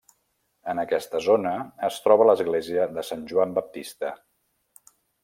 En aquesta zona es troba l'església de Sant Joan Baptista.